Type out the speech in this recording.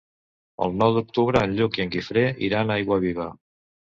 El nou d'octubre en Lluc i en Guifré iran a Aiguaviva.